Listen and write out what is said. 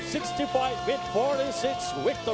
มีความรู้สึกว่า